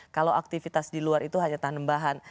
kalau aktivitas di luar itu hanya tanam bahan